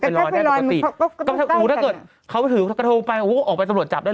ไปรอแต่ปกติ